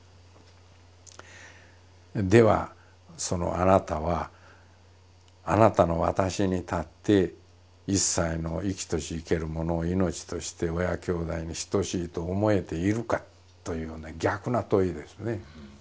そのあなたはあなたの私に立って一切の生きとし生けるものを命として親兄弟に等しいと思えているか？というような逆な問いですね。